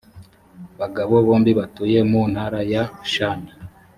bagabo bombi batuye mu ntara ya shan